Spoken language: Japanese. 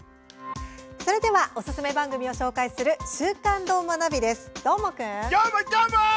それではおすすめ番組を紹介する「週刊どーもナビ」です。